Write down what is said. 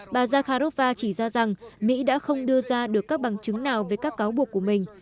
bà zakharova chỉ ra rằng mỹ đã không đưa ra được các bằng chứng nào về các cáo buộc của mình